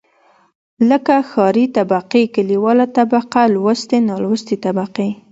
لکه ښاري طبقې، کليواله طبقه لوستې، نالوستې طبقې.